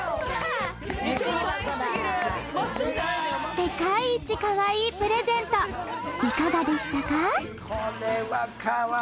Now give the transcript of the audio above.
世界一かわいいプレゼントいかがでしたか？